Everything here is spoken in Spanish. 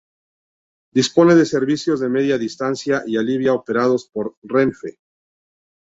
Dispone de servicios de Media Distancia y Alvia operados por Renfe.